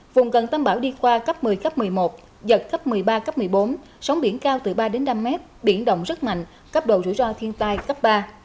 vùng gần tâm bão đi qua cấp một mươi cấp một mươi một giật cấp một mươi ba cấp một mươi bốn sóng biển cao từ ba đến năm mét biển động rất mạnh cấp độ rủi ro thiên tai cấp ba